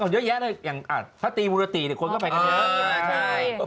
เยอะแยะเลยอย่างพระตีบุรติเนี่ยคนก็ไปกันเยอะ